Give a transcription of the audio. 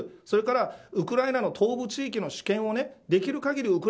それからウクライナの東部地域の主権をできる限り